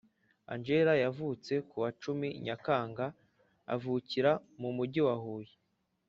Angela yavutse ku wa cumi Nyakanga avukira mu mujyi wa Huye